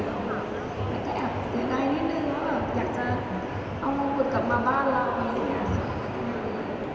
ถึงไดขลายนิดหนึ่งว่าอยากจะเอ้าลมกุฎกลับมาบ้านเรานี้